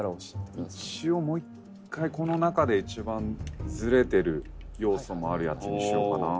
「一応もう一回この中で一番ズレてる要素もあるやつにしようかな」